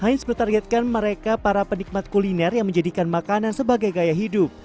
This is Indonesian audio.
heinz menargetkan mereka para penikmat kuliner yang menjadikan makanan sebagai gaya hidup